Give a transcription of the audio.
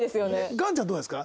岩ちゃんどうですか？